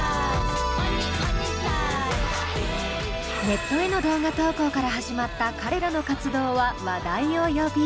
ネットへの動画投稿から始まった彼らの活動は話題を呼び。